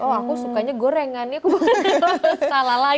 oh aku sukanya gorengan ini aku salah lagi